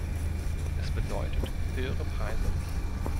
Es bedeutet höhere Preise.